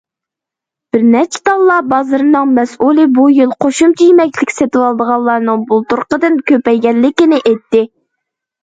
بىر نەچچە تاللا بازىرىنىڭ مەسئۇلى بۇ يىل قوشۇمچە يېمەكلىك سېتىۋالىدىغانلارنىڭ بۇلتۇرقىدىن كۆپەيگەنلىكىنى ئېيتتى.